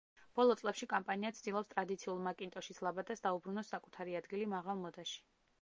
ბოლო წლებში კომპანია ცდილობს ტრადიციულ მაკინტოშის ლაბადას დაუბრუნოს საკუთარი ადგილი მაღალ მოდაში.